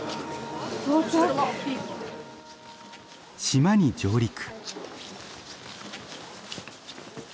島に上陸。